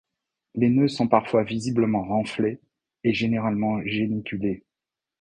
Les nœuds sont parfois visiblement renflés et généralement géniculés.